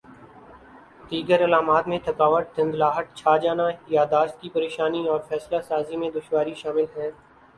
دیگر علامات میں تھکاوٹ دھندلاہٹ چھا جانا یادداشت کی پریشانی اور فیصلہ سازی میں دشواری شامل ہیں